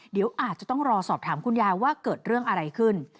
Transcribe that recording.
เดี๋ยวอาจจะต้องรอสอบถามคุณยายว่าเกิดเรื่องอะไรขึ้น